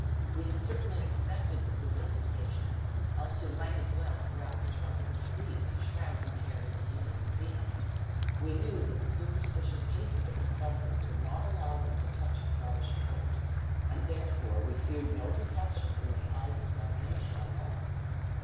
We had certainly expected this investigation; else we might as well have wrapped the trunk of a tree in the shroud we carried as a human being. We knew that the superstitious hatred of the Southrons would not allow them to touch a Scottish corpse, and therefore we feared no detection from the eye's examination alone.